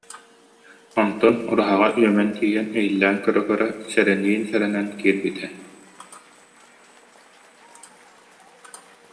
Онтон ураһаҕа үөмэн тиийэн, иһиллээн көрө-көрө, сэрэ- ниин-сэрэнэн киирбитэ